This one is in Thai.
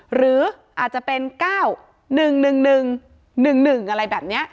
หรืออาจจะเป็น๙๑๑๑๑๑๑๑๑๑อะไรแบบนี้